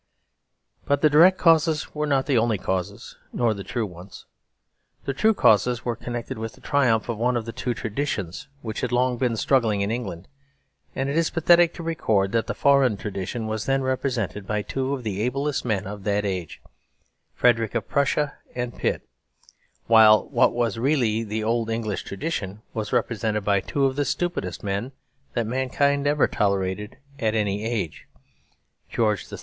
But the direct causes were not the only causes, nor the true ones. The true causes were connected with the triumph of one of the two traditions which had long been struggling in England. And it is pathetic to record that the foreign tradition was then represented by two of the ablest men of that age, Frederick of Prussia and Pitt; while what was really the old English tradition was represented by two of the stupidest men that mankind ever tolerated in any age, George III.